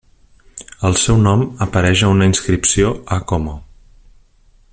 El seu nom apareix a una inscripció a Como.